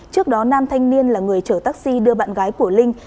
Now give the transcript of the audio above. trước đó nam thanh niên là người chở taxi đưa bạn gái của linh